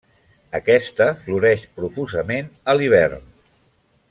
Aquesta floreix profusament a l'hivern.